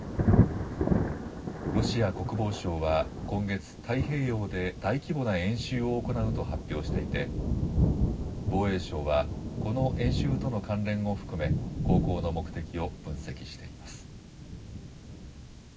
ロシア国防省は今月、太平洋で大規模な演習を行うと発表していて防衛省はこの演習との関連を含め航行の目的を分析しています。